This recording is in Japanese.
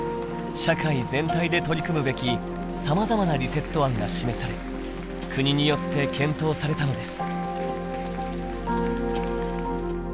社会全体で取り組むべきさまざまなリセット案が示され国によって検討されたのです。